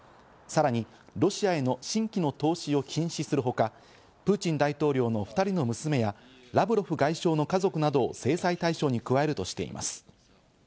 さらにロシアへの新規の投資を禁止するほか、プーチン大統領の２人の娘や、ラブロフ外相の家族などを制裁対象に加えるとしています。